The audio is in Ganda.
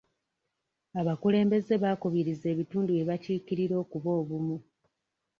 Abakulembeze baakubiriza ebitundu bye bakiikirira okuba obumu.